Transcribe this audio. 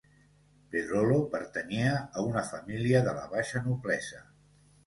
Pedrolo pertanyia a una família de la baixa noblesa